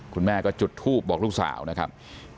คุณแม่ก็จุดทูบบอกลูกสาวนะครับ